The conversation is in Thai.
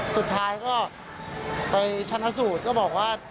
สุดท้ายก็ไปชนะสูตรก็บอกว่า